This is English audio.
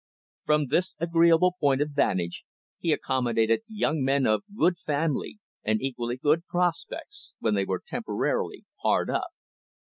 From this agreeable point of vantage, he accommodated young men of good family, and equally good prospects, when they were temporarily hard up.